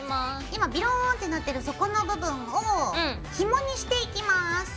今ビローンってなってるそこの部分をひもにしていきます。